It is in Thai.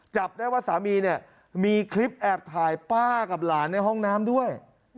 จับได้ว่าสามีเนี่ยมีคลิปแอบถ่ายป้ากับหลานในห้องน้ำด้วย